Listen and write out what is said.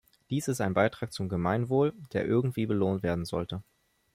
Dies ist ein Beitrag zum Gemeinwohl, der irgendwie belohnt werden sollte.